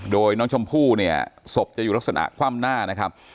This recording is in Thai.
โดยน้องชมพู่ศพจะอยู่ลักษณะความหน้า